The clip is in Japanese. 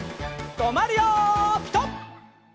とまるよピタ！